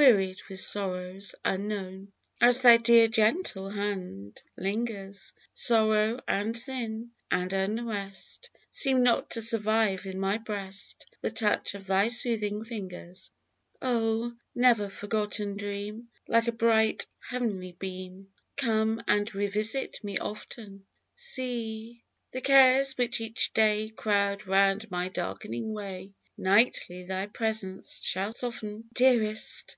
Wearied with sorrows unknown, A Dream. 27 As thy dear gentle hand Hngers, Sorrow, and Sin, and unrest Seem not to survive in my breast The touch of thy soothing fingers ! Oh ! never forgotten dream ! Like a bright heavenly beam, Come and revisit me often ! C ....! the cares which each day Crowd round my darkening way. Nightly thy presence shall soften ! Dearest